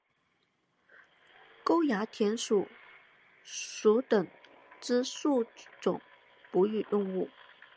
沟牙田鼠属等之数种哺乳动物。